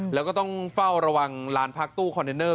แล้วก็ต้องเฝ้าระวังลานพักตู้คอนเทนเนอร์